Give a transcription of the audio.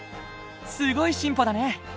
すごい進歩だね。